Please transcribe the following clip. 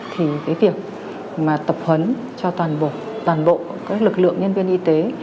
thì việc tập hấn cho toàn bộ các lực lượng nhân viên y tế